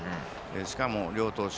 しかも、両投手